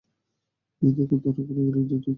এই দেখুন ধরা পড়ে গেলেন, জানেন তো আইন পড়ি।